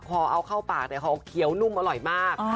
พอเอาเข้าปากเขาเขียวนุ่มอร่อยมาก